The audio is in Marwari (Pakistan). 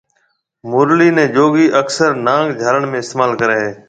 مُرلي ني جوگي اڪثر نانگ جھالڻ ۾ استعمال ڪري